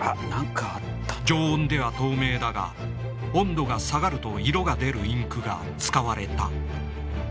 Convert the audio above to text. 「常温では透明だが温度が下がると色が出るインク」が使われた。